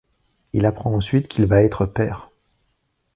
Il apprend ensuite qu'il va être père.